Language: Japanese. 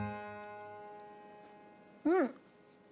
うん！